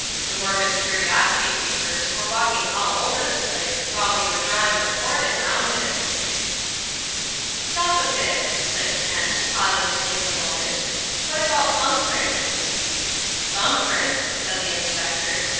The morbid curiosity seekers were walking all over this place while we were drawing the cordon round it." "Stop a bit," said Kent, pausing to think a moment. "What about thumb prints?" "Thumb prints," said the Inspector.